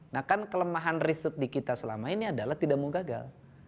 nah kan kelemahan riset di kita selama ini adalah tidak mau gagal